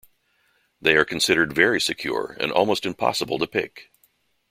They are considered very secure and almost impossible to pick.